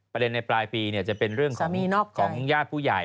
ปีใจนี้จะเป็นเรื่องของอย่า๋ผู้ใหญ่